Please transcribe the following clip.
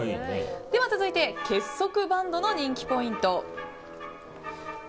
続いて結束バンドの人気ポイント。